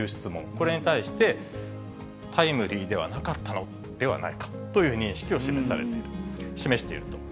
これに対して、タイムリーではなかったのではないかという認識を示していると。